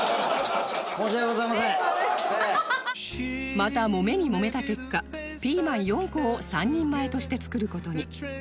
またもめにもめた結果ピーマン４個を３人前として作る事に